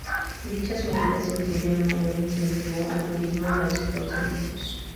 Dichas medidas incluyen un mayor incentivo al turismo y al sector servicios.